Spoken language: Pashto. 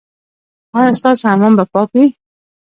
ایا ستاسو حمام به پاک وي؟